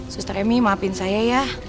suster emi maafin saya ya